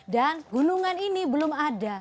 dan gunungan ini belum ada